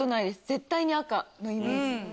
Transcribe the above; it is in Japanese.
絶対に赤のイメージ。